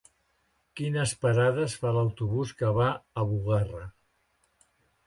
Quines parades fa l'autobús que va a Bugarra?